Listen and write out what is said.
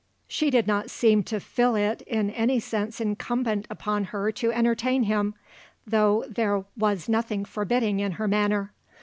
She did not seem to feel it in any sense incumbent upon her to entertain him, though there was nothing forbidding in her manner.